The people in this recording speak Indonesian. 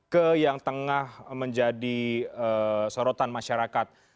ke yang tengah menjadi sorotan masyarakat